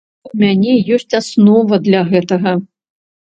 У мяне ёсць аснова для гэтага.